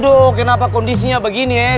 aduh kenapa kondisinya begini ya